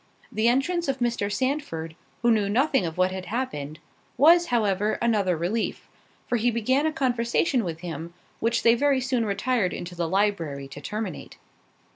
The entrance of Mr. Sandford, who knew nothing of what had happened, was however, another relief; for he began a conversation with him, which they very soon retired into the library to terminate.